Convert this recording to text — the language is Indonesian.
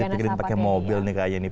harus dipikirin pakai mobil nih kayaknya